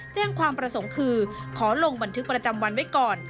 แจ้งความประสงค์คือขอลงบันทึกประจำวันไว้ก่อน